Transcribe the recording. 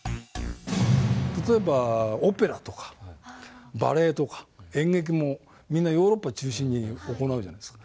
例えばオペラとかバレエとか演劇もみんなヨーロッパ中心に行うじゃないですか。